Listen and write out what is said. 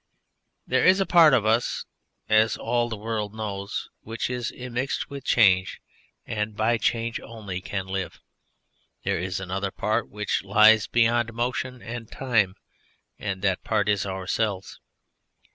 There is a part of us, as all the world knows, which is immixed with change and by change only can live. There is another part which lies behind motion and time, and that part is ourselves.